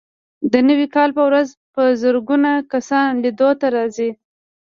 د نوي کال په ورځ په زرګونه کسان لیدو ته راځي.